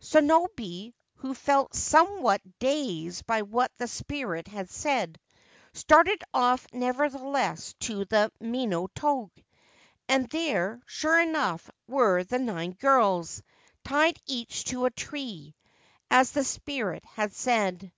Sonobe, who felt somewhat dazed by what the spirit had said, started off nevertheless to the * Mino toge '; and there, sure enough, were the nine girls, tied each to a tree, as the spirit had said.